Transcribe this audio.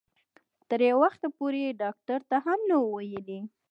تر یو وخته پورې یې ډاکټر ته هم نه وو ویلي.